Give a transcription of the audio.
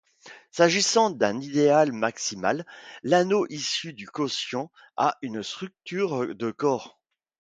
S'agissant d'un idéal maximal, l'anneau issu du quotient a une structure de corps.